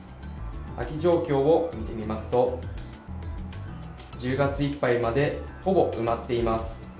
空き状況を見てみますと、１０月いっぱいまでほぼ埋まっています。